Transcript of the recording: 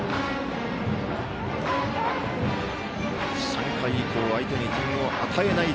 ３回以降相手に点を与えない